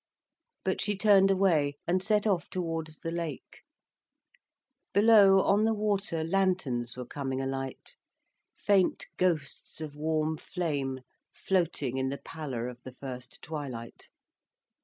But she turned away, and set off towards the lake. Below, on the water, lanterns were coming alight, faint ghosts of warm flame floating in the pallor of the first twilight.